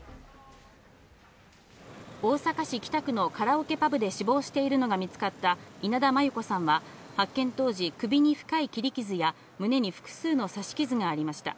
大阪市北区のカラオケパブで死亡しているのが見つかった稲田真優子さんは、発見当時、首に深い切り傷や胸に複数の刺し傷がありました。